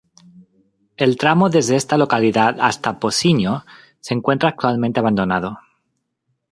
El tramo desde esta localidad hasta Pocinho se encuentra actualmente abandonado.